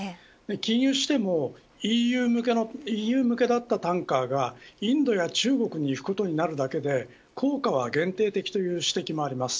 禁輸してもＥＵ向けだったタンカーがインドや中国に行くことになるだけで効果は限定的という指摘もあります。